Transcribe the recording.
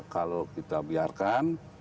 kalau kita biarkan